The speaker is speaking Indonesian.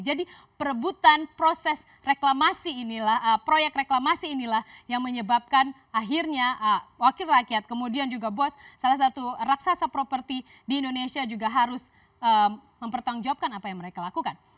jadi perebutan proses reklamasi inilah proyek reklamasi inilah yang menyebabkan akhirnya wakil rakyat kemudian juga bos salah satu raksasa properti di indonesia juga harus mempertanggungjawabkan apa yang mereka lakukan